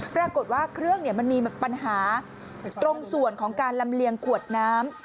ปรากฏว่าเครื่องมันมีปัญหาตรงส่วนของการลำเลียงขวดน้ำ